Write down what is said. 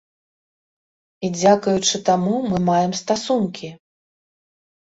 І дзякуючы таму мы маем стасункі.